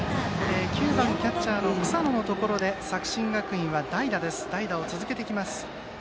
９番キャッチャー草野のところで作新学院は代打を続けてきます。